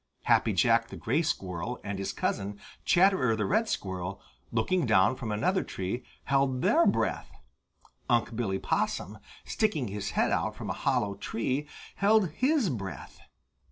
Happy Jack the Gray Squirrel and his cousin, Chatterer the Red Squirrel, looking down from another tree, held their breath. Unc' Billy Possum, sticking his head out from a hollow tree, held his breath.